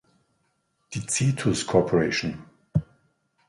Die Cetus Corp.